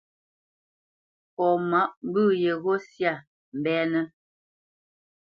Fɔ mâʼ mbə̂ yeghó syâ mbɛ́nə̄.